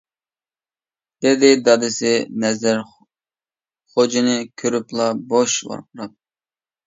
-دېدى دادىسى نەزەر خوجىنى كۆرۈپلا بوش ۋارقىراپ.